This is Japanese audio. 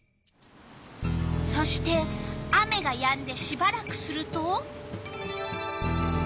そして雨がやんでしばらくすると。